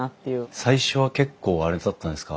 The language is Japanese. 最初は結構あれだったんですか